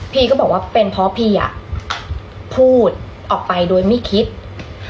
พี่ก็บอกว่าเป็นเพราะพี่อ่ะพูดออกไปโดยไม่คิด